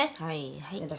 はいはい。